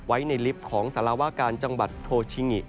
ไว้ในลิฟต์ของสารวาการจังหวัดโทชิงิ